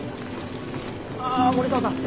ああ森澤さん。